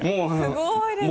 すごいですね。